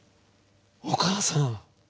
お母さん。